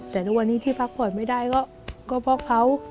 แต่ทุกวันนี้ที่พักผ่อนไม่ได้ก็เพราะเขา